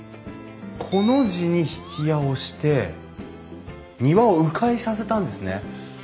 コの字に曳家をして庭をう回させたんですね。